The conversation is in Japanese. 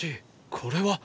これは！